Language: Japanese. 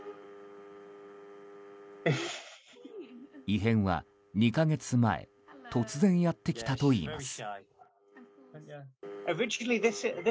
異変は２か月前突然やってきたといいます。